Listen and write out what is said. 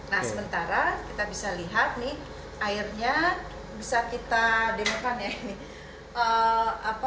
nah sementara kita bisa lihat nih airnya bisa kita demokan ya ini